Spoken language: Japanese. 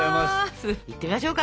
いってみましょうか？